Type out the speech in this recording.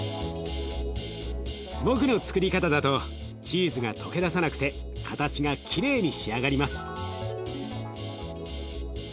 僕のつくり方だとチーズが溶け出さなくて形がきれいに仕上がります。